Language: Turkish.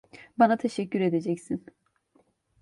Bana teşekkür edeceksin.